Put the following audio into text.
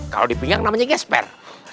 kalau di pinggang namanya gesper